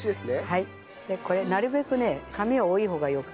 はい。